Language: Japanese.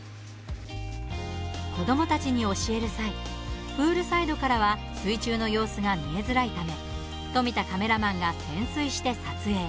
子どもたちに教える際プールサイドからは水中の様子が見えづらいため富田カメラマンが潜水して撮影。